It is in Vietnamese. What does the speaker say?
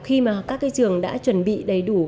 khi mà các trường đã chuẩn bị đầy đủ